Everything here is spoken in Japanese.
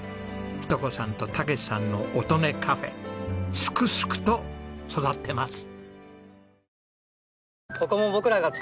日登子さんと健さんの音音かふぇすくすくと育ってます。